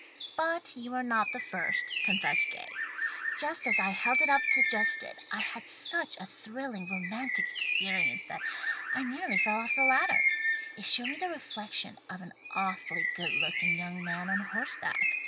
"But you were not the first," confessed Gay. "Just as I held it up to adjust it, I had such a thrillingly romantic experience that I nearly fell off the ladder. It showed me the reflection of an awfully good looking young man on horse back.